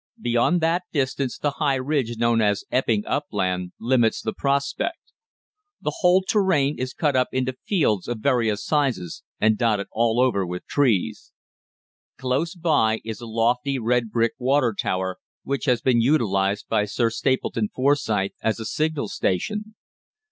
Beyond that distance the high ridge known as Epping Upland limits the prospect. The whole terrain is cut up into fields of various sizes and dotted all over with trees. Close by is a lofty red brick water tower, which has been utilised by Sir Stapleton Forsyth as a signal station.